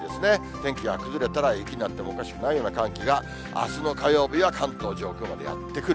天気が崩れたら雪になってもおかしくないような寒気が、あすの火曜日は関東上空までやって来る。